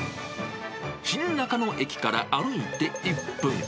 新中野駅から歩いて１分。